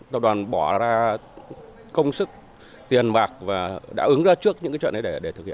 tập đoàn bỏ ra công sức tiền mạc và đã ứng ra trước những trận này để thực hiện